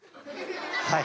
はい。